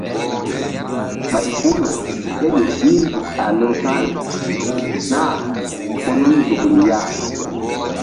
Ɓay hul ké ƴo i nzuk a lewsa̧ri za̧h ko nun nzukri ya.